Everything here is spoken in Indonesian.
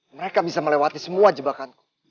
mereka bisa melewati semua jebakan